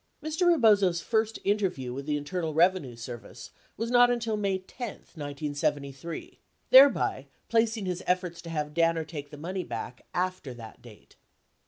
31 Mr. Bebozo's first interview with the Internal Bevenue Service was not until May 10, 1973, thereby placing his efforts to have Danner take the money back after that date.